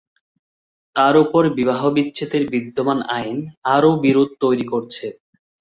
তার ওপর বিবাহবিচ্ছেদের বিদ্যমান আইন আরও বিরোধ তৈরি করছে।